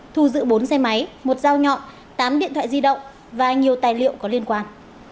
thu giữ bốn xe máy một dao nhọn tám điện thoại di động và nhiều tài liệu có liên quan